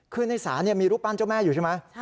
คือในศาลมีรูปปั้นเจ้าแม่อยู่ใช่ไหม